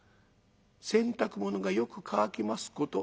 洗濯物がよく乾きますこと。